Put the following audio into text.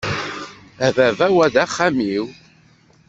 A baba, wa d axxam-iw!